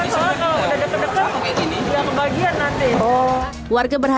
udah siapkan soal kalau udah deket deket dia kebagian nanti